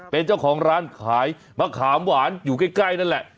เป็นเจ้าของร้านขายมะขามหวานอยู่ใกล้นั่นแหละ